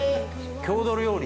郷土料理。